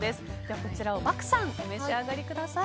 こちらを漠さんお召し上がりください。